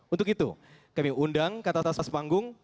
untuk itu kami undang ke atas panggung